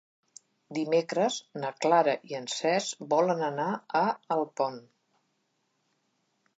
Dimecres na Clara i en Cesc volen anar a Alpont.